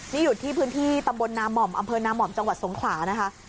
นี่อยู่ที่พื้นที่ตำบลนาม่อมอำเภอนาม่อมจังหวัดสงขลานะคะ